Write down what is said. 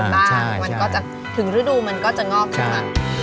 มันก็จะถึงฤดูมันก็จะงอกเลยค่ะ